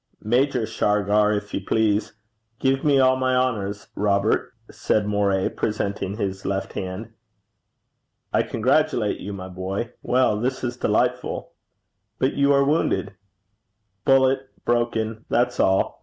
'Major Shargar, if you please. Give me all my honours, Robert,' said Moray, presenting his left hand. 'I congratulate you, my boy. Well, this is delightful! But you are wounded.' 'Bullet broken that's all.